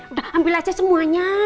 udah ambil aja semuanya